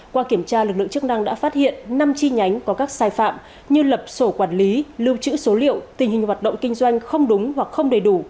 qua kiểm tra lực lượng chức năng đã phát hiện năm chi nhánh có các sai phạm như lập sổ quản lý lưu trữ số liệu tình hình hoạt động kinh doanh không đúng hoặc không đầy đủ